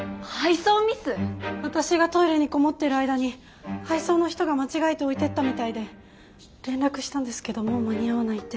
私がトイレにこもってる間に配送の人が間違えて置いてったみたいで連絡したんですけどもう間に合わないって。